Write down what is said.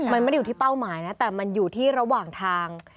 มันไม่ได้อยู่ที่เป้าหมายนะแต่มันอยู่ที่ระหว่างทาง